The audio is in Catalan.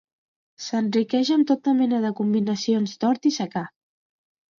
s'enriqueix amb tota mena de combinacions d'hort i secà